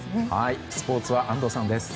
スポーツは安藤さんです。